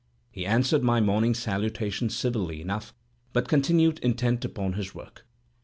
He answered my morning salutation civilly enough, but continued intent upon his work.